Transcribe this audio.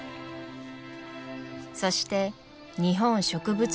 そして「日本植物志図譜」